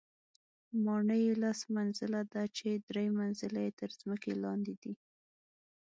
ماڼۍ یې لس منزله ده چې درې منزله یې تر ځمکې لاندې دي.